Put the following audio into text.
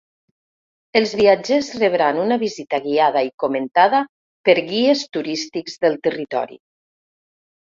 Els viatgers rebran una visita guiada i comentada per guies turístics del territori.